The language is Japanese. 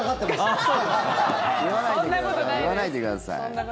言わないでください。